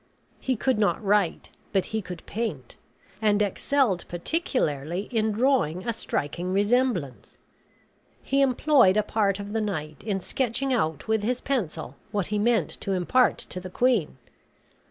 He could not write, but he could paint; and excelled particularly in drawing a striking resemblance. He employed a part of the night in sketching out with his pencil what he meant to impart to the queen.